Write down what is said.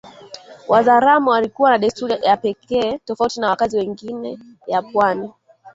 Wazaramo walikuwa na desturi za pekee tofauti na wakazi wengine ya pwani